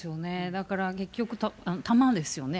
だから結局、たまですよね。